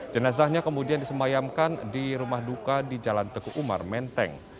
jenazahnya kemudian disemayamkan di rumah duka di jalan teguh umar menteng